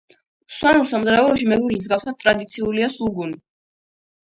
სვანურ სამზარეულოში მეგრულის მსგავსად ტრადიციულია სულგუნი.